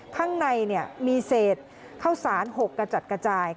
ข้างในมีเศษข้าวสารหกกระจัดกระจาย